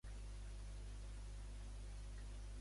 M'informes sobre si fan espectacles aquesta tarda aquí on soc?